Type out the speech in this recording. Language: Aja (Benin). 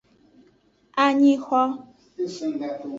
Anyixo.